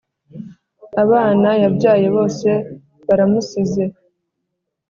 Abana yabyaye bose bara musize